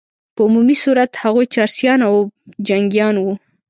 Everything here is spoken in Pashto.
په عمومي صورت هغوی چرسیان او جنګیان وه.